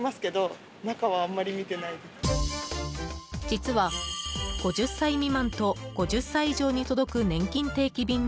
実は５０歳未満と５０歳以上に届くねんきん